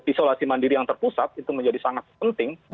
isolasi mandiri yang terpusat itu menjadi sangat penting